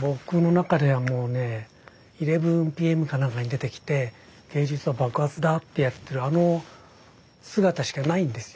僕の中ではもうね「１１ＰＭ」か何かに出てきて「芸術は爆発だ」ってやってるあの姿しかないんですよ。